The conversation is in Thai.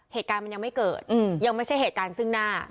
เหตุการณ์มันยังไม่เกิดยังไม่ใช่เหตุการณ์ซึ่งหน้า